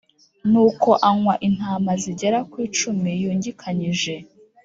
nuko anywa intama zigera ku icumi yungikanyije.